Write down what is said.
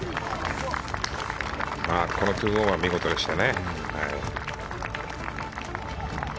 ２オンは見事でしたね。